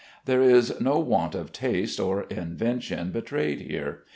There is no want of taste or invention betrayed here.